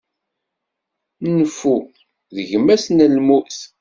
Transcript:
Nnfu, d gma-s n lmut.